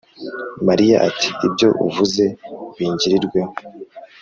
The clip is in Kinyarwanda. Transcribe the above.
- mariya ati: “ibyo uvuze bingirirweho”